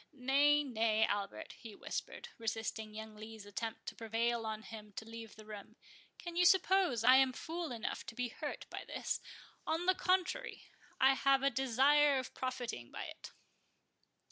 —Nay, nay, Albert," he whispered, resisting young Lee's attempt to prevail on him to leave the room, "can you suppose I am fool enough to be hurt by this?—on the contrary, I have a desire of profiting by it."